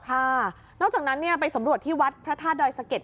นอกจากนั้นไปสำรวจที่วัดพระธาตุดอยสะเก็ด